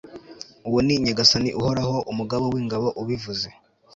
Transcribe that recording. uwo ni nyagasani uhoraho, umugaba w'ingabo ubivuze